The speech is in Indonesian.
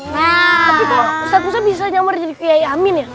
tapi pak ustadz musa bisa nyamar jadi kiai amin ya